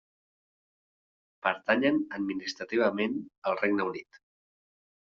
Pertanyen administrativament al Regne Unit.